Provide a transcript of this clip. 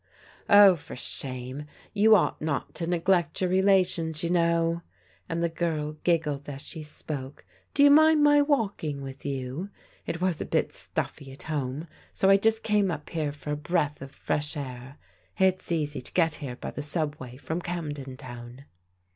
" Oh, for shame ! You ought not to neglect your rela tions, you know," and the girl giggled as she spoke. " Do you mind my walking with you? It was a bit stuflfy at home, so I just came up here for a breath of fresh air. It's easy to get here hy the subway from Camden Town."